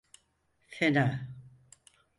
Fena!